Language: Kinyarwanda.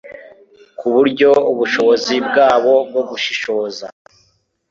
ku buryo ubushobozi bwabo bwo gushishoza